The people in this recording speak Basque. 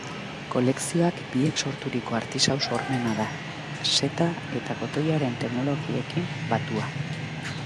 Kolekzioak biek sorturiko artisau-sormena da, seta eta kotoiaren teknologiekin batua.